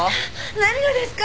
何がですか？